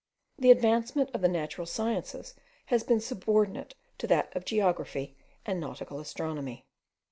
The advancement of the natural sciences has been subordinate to that of geography and nautical astronomy.